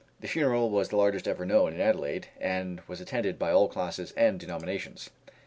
The funeral was the largest ever known in Adelaide, and was attended by all classes and denominations.